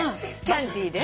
キャンティ！